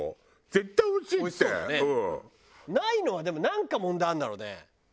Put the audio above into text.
ないのはでもなんか問題あるんだろうね。